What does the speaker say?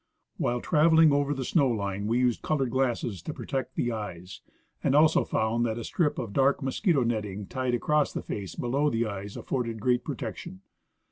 While traveling over the snow line we used colored glasses to protect the eyes, and also found that a strip of dark mosquito netting tied across the face below the eyes afforded great protection.